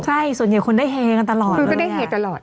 ใช่ส่วนใหญ่คนได้เฮกันตลอดคือก็ได้เฮตลอด